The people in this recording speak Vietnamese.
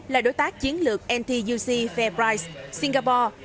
là đối tác chiến lược ntuc fairprice singapore